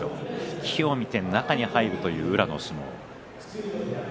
機を見て中に入るという宇良の相撲。